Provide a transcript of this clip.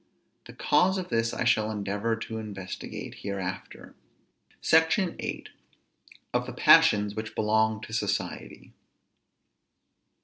The cause of this I shall endeavor to investigate hereafter. SECTION VIII. OF THE PASSIONS WHICH BELONG TO SOCIETY.